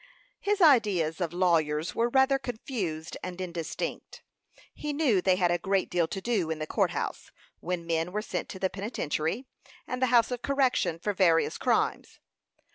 His ideas of lawyers were rather confused and indistinct. He knew they had a great deal to do in the court house, when men were sent to the penitentiary and the house of correction for various crimes.